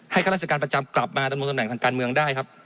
ให้คัตรราชการประจำกลับมาตำแหน่งทางการเมืองได้ครับ